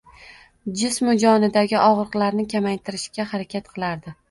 Jism-u jonidagi ogʻriqlarni kamaytirishga harakat qilardi.